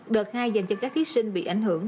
đợt hai dành cho các thí sinh bị ảnh hưởng